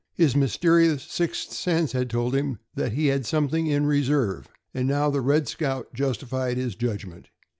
His mysterious "sixth sense" had told him that he had something in reserve, and now the "Red Scout" justified his judgment.